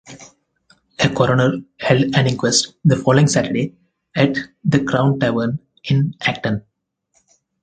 A coroner held an inquest the following Saturday at the Crown tavern in Acton.